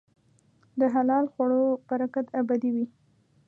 د حلال خوړو برکت ابدي وي.